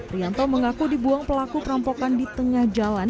rianto mengaku dibuang pelaku perampokan di tengah jalan